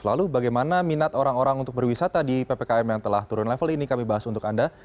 lalu bagaimana minat orang orang untuk berwisata di ppkm yang telah turun level ini kami bahas untuk anda